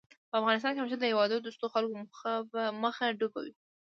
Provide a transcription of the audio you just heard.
په افغانستان کې همېشه د هېواد دوستو خلکو مخه ډب وي